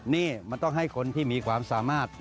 นี่มันต้องให้คนที่มีความสามารถ